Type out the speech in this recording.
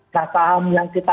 nah saham yang kita